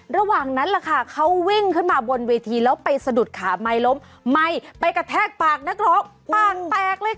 ระหว่างนั้นล่ะค่ะเขาวิ่งขึ้นมาบนเวทีแล้วไปสะดุดขาไมค์ล้มไหม้ไปกระแทกปากนักร้องปากแตกเลยค่ะ